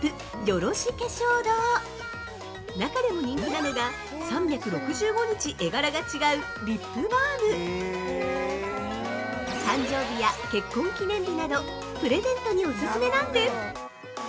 「よろし化粧堂」中でも人気なのが、３６５日絵柄が違うＬＩＰＢＡＬＭ誕生日や結婚記念日など、プレゼントにオススメなんです！